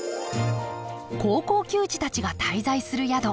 高校球児たちが滞在する宿。